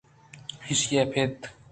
ایشی ءَ پد